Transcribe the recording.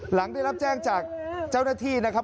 หลังได้รับแจ้งจากเจ้าหน้าที่นะครับ